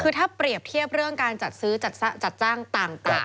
คือถ้าเปรียบเทียบเรื่องการจัดซื้อจัดจ้างต่าง